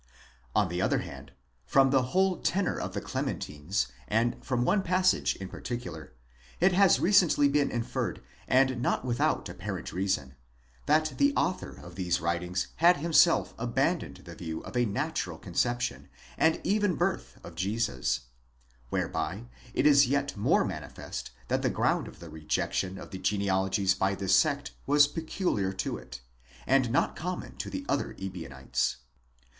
On the other hand, from the whole tenor of the Cle mentines, and from one passage in particular,'* it has recently been inferred, and not without apparent reason, that the author of these writings had him self abandoned the view of a natural conception, and even birth of Jesus; whereby it is yet more manifest that the ground of the rejection of the genealogies by this sect was peculiar to it, and not common to the other Ebionites.